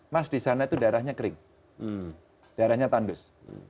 mas disana itu daerahnya kering daerahnya tandus